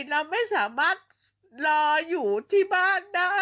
เราไม่สามารถรออยู่ที่บ้านได้